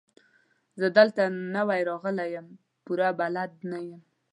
زه دلته نوی راغلی يم، پوره بلد نه يم.